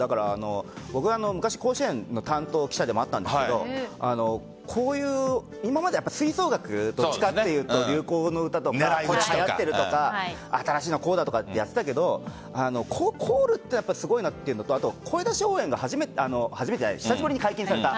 昔、甲子園の担当記者でもあったんですけど今まで吹奏楽とどっちかっていうと流行の歌とかはやってるとか新しいのこうだとかやっていたけどコールはすごいなというのと声出し応援が久しぶりに解禁された。